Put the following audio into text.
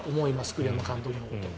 栗山監督のことを。